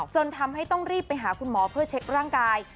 จนทำให้ต้องรีบไปหาคุณหมอเพื่อเช็คร่างกาย